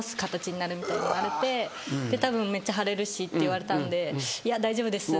たぶんめっちゃ腫れるしって言われたんでいや大丈夫ですって。